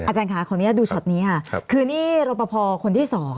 อาจารย์คะดูช็อตนี้คือนี่รบประพอคนที่๒